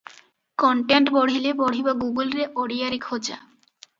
Content ବଢ଼ିଲେ ବଢ଼ିବ ଗୁଗୁଲରେ ଓଡ଼ିଆରେ ଖୋଜା ।